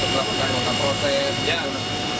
jadi kita untuk melakukan protes